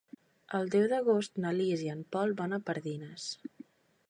El deu d'agost na Lis i en Pol van a Pardines.